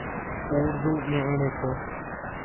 Urdu ñe'ẽ reko.